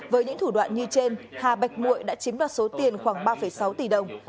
với những thủ đoạn như trên hà bạch mụi đã chiếm đoạt số tiền khoảng ba sáu tỷ đồng